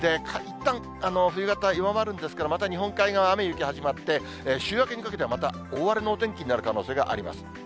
いったん、冬型、弱まるんですけど、また日本海側、雨、雪が始まって、週明けにかけてはまた大荒れのお天気になる可能性があります。